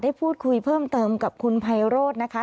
ได้พูดคุยเพิ่มเติมกับคุณไพโรธนะคะ